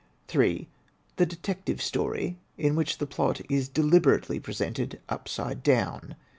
"3. The detective story, in which the plot is deliberately presented upside down.